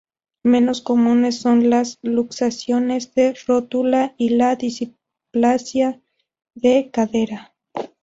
Menos comunes son las luxaciones de rótula y la displasia de cadera.